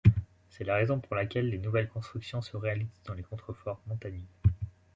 C'est la raison pour laquelle les nouvelles constructions se réalisent dans les contreforts montagneux.